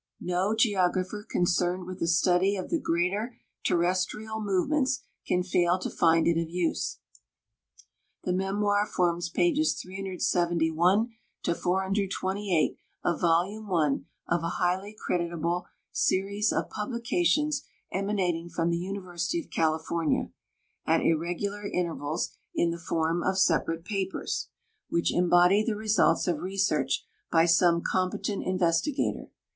No geographer concerned with the study of the greater terrestrial movements can fail to find it of use. The memoir forms pages 371 428 of volume I of a highly creditable series of publications emanating from the University of California "at irregular intervals in the form of separate papers which embody the results of research by some competent investigator."